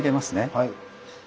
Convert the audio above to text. はい。